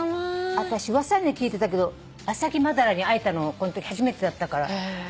私噂には聞いてたけどアサギマダラに会えたのもこのとき初めてだったから。